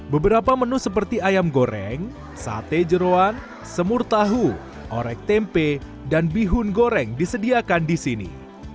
beberapa menu seperti ayam goreng sate jeruan semur tahu orek tempe dan bihun goreng disediakan di sini